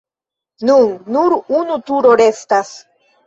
Nun nur unu turo restas.